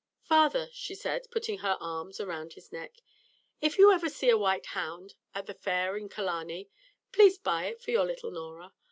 "Father," she said, putting her arms around his neck, "if you ever see a white hound at the fair in Killarney, please buy it for your little Norah.